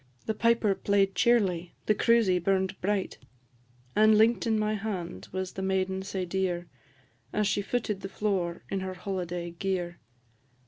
The piper play'd cheerly, the cruisie burn'd bright; And link'd in my hand was the maiden sae dear, As she footed the floor in her holiday gear.